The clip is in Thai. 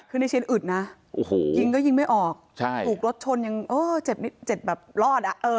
คือในเชียนอึดนะโอ้โหยิงก็ยิงไม่ออกใช่ถูกรถชนยังโอ๊ยเจ็บนิดเจ็บแบบรอดอะเออ